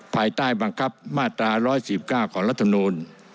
ภายใต้บังคับมาตรา๑๑๙ของรัฐมนูล